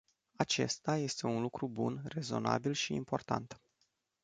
Acesta este un lucru bun, rezonabil și important.